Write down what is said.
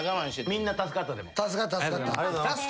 みんな助かった。